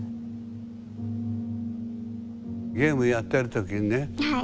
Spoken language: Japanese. ゲームやってる時にね